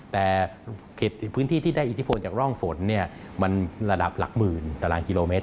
แต่เขตพื้นที่ที่ได้อิทธิพลจากร่องฝนมันระดับหลักหมื่นตารางกิโลเมตร